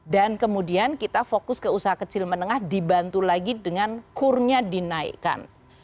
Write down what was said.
dan kemudian kita fokus ke usaha kecil menengah dibantu lagi dengan kurnya dinaikkan